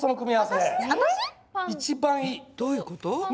どういうこと？